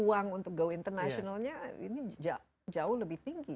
ini kan peluang untuk go internasionalnya jauh lebih tinggi